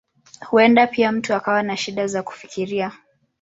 Huenda pia mtu akawa na shida za kufikiria.